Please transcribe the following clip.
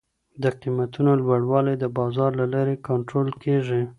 د قیمتونو لوړوالی د بازار له لاري کنټرول کیږي.